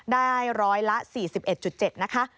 ได้ร้อยละ๔๑๗นะคะ